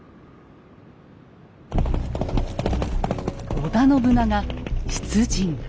織田信長出陣。